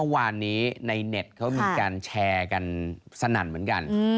เมื่อวานนี้ในเน็ตเขามีการแชร์กันสนั่นเหมือนกัน